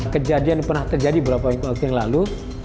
kejadian pernah terjadi beberapa waktu yang lalu